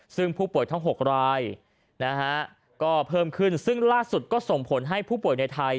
ซึ่งผู้ป่วยทั้ง๖รายนะฮะก็เพิ่มขึ้นซึ่งล่าสุดก็ส่งผลให้ผู้ป่วยในไทย